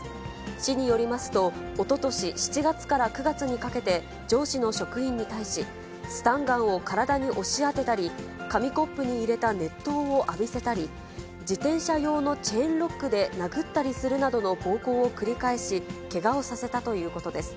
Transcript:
市によりますと、おととし７月から９月にかけて、上司の職員に対し、スタンガンを体に押し当てたり、紙コップに入れた熱湯を浴びせたり、自転車用のチェーンロックで殴ったりするなどの暴行を繰り返し、けがをさせたということです。